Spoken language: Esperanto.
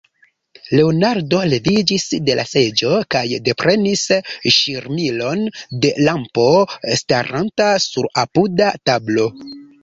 Leonardo leviĝis de la seĝo kaj deprenis ŝirmilon de lampo, staranta sur apuda tablo.